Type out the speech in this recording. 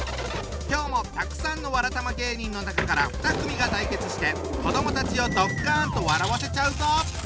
今日もたくさんのわらたま芸人の中から２組が対決して子どもたちをドッカンと笑わせちゃうぞ！